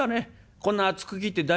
こんな厚く切って大丈夫？